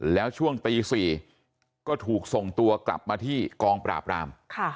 แล้วช่วงตี๔ก็ถูกส่งตัวกลับมาที่กองปราบราม